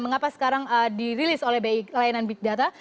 mengapa sekarang dirilis oleh bi layanan big data